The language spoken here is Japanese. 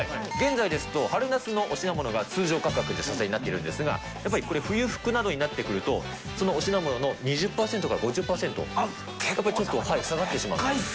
現在ですと、春夏のお品物が通常価格で査定になっているんですが、やっぱりこれ、冬服などになってくると、そのお品物の２０％から５０％、やっぱりちょっと下がってしまうと。